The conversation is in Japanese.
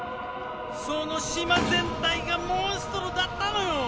その島全体がモンストロだったのよ！